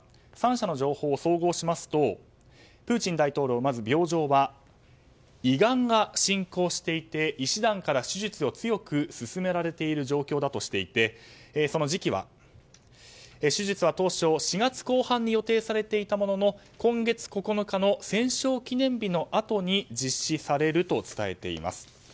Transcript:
３社の情報を総合しますとプーチン大統領、まず病状は胃がんが進行していて医師団から手術を強く勧められている状況だとしていてその時期は手術は当初、４月後半に予定されていたものの今月９日の戦勝記念日のあとに実施されると伝えています。